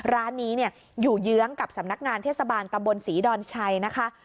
ร้านนี้อยู่เยื้องกับสำนักงานเทศบาลตำบลศรีดอนชัยนะคะ